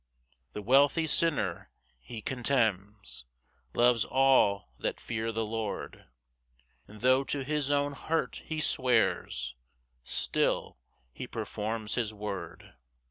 4 The wealthy sinner he contemns, Loves all that fear the Lord: And tho' to his own hurt he swears, Still he performs his word.